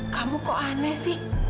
kamu kok aneh sih